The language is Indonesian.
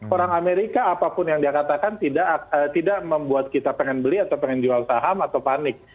orang amerika apapun yang dia katakan tidak membuat kita pengen beli atau pengen jual saham atau panik